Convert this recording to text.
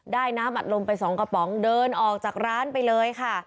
น้ำอัดลมไป๒กระป๋องเดินออกจากร้านไปเลยค่ะ